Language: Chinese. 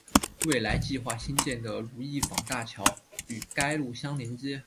未来计划兴建的如意坊大桥与该路相连接。